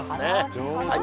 上手。